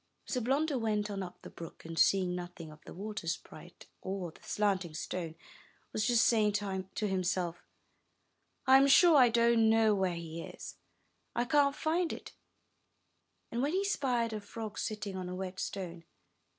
So Blunder went on up the brook, and, seeing nothing of the water sprite, or the slanting stone, was just saying to himself, '*I am sure I don't know where he is, — I can't find it," when he spied a frog sitting on a wet stone.